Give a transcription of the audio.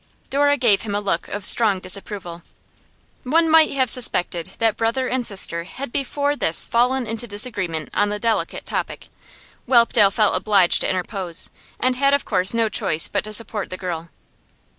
Dora gave him a look of strong disapproval; one might have suspected that brother and sister had before this fallen into disagreement on the delicate topic. Whelpdale felt obliged to interpose, and had of course no choice but to support the girl.